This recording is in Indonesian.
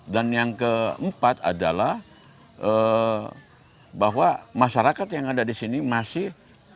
dan yang keempat adalah bahwa masyarakat yang ada di sini masih